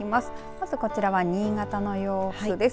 まずこちらは新潟の様子です。